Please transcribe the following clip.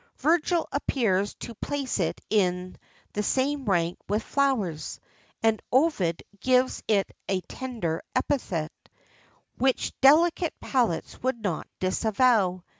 Virgil appears to place it in the same rank with flowers,[XIII 69] and Ovid gives it a tender epithet,[XIII 70] which delicate palates would not disavow.